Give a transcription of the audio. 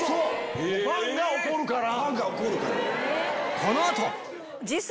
この後！